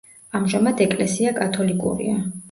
ამჟამად ეკლესია კათოლიკურია.